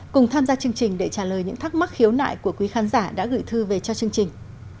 cùng tham gia chương trình để trả lời những thắc mắc khiếu nại của quý khán giả đã gửi thư về cho chương trình